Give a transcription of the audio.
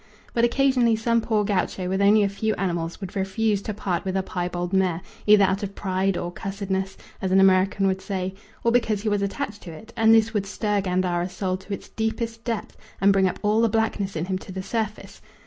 But occasionally some poor gaucho with only a few animals would refuse to part with a piebald mare, either out of pride, or "cussedness" as an American would say, or because he was attached to it, and this would stir Gandara's soul to its deepest depth and bring up all the blackness in him to the surface.